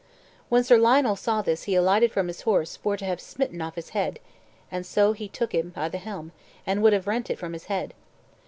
When Sir Lionel saw this he alighted from his horse for to have smitten off his head; and so he took him by the helm, and would have rent it from his head.